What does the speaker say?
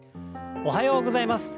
おはようございます。